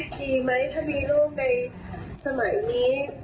ทีไหมถ้ามีลูกในสมัยนี้